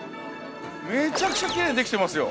めちゃくちゃきれいにできていますよ。